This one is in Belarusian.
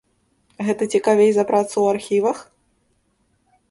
Гэта цікавей за працу ў архівах?